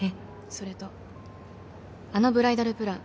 それとあのブライダルプラン